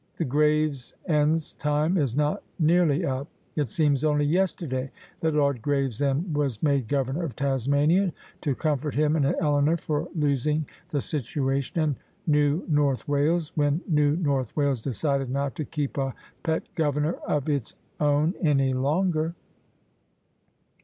The Grave sends' time is not nearly up. It seems only yesterday that Lord Gravesend was made Governor of Tasmania to com fort him and Eleanor for losing the situation in New North Wales, when New North Wales decided not to keep a pet Governor of its own any longer."